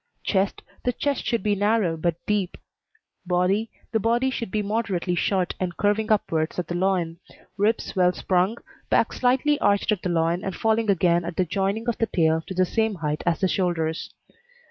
CHEST The chest should be narrow but deep. BODY The body should be moderately short and curving upwards at the loin; ribs well sprung, back slightly arched at the loin and falling again at the joining of the tail to the same height as the shoulders.